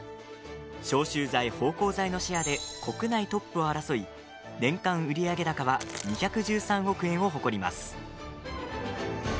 消臭剤、芳香剤のシェアで国内トップを争い年間売上高は２１３億円を誇ります。